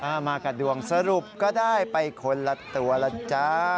มากับดวงสรุปก็ได้ไปคนละตัวละจ้า